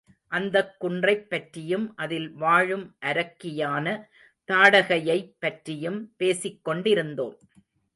அந்தக் குன்றைப் பற்றியும் அதில் வாழும் அரக்கியான தாடகையைப் பற்றியும் பேசிக்கொண்டிருந்தோம்.